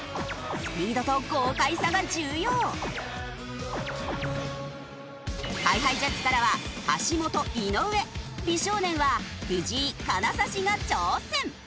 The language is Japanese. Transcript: スピードと豪快さが重要。ＨｉＨｉＪｅｔｓからは橋本井上美少年は藤井金指が挑戦！